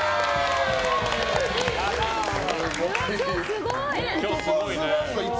今日、すごい！